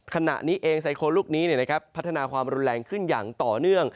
ขณะนี้เองไซโครลูกนี้พัฒนาความรุนแรงขึ้นอย่างต่อเนื่อง